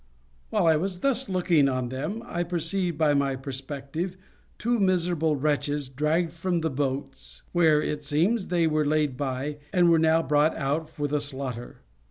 While I was thus looking on them, I perceived, by my perspective, two miserable wretches dragged from the boats, where, it seems, they were laid by, and were now brought out for the slaughter.